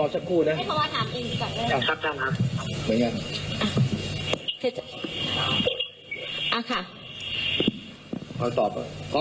รอชักคู่น่ะให้พ่อถามเองก่อนเลยครับครับครับอ่าค่ะ